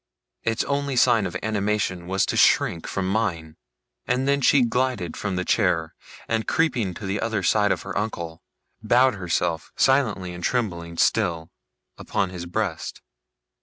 Its only sign of animation was to shrink from mine; and then she glided from the chair, and creeping to the other side of her uncle, bowed herself, silently and trembling still, upon his breast.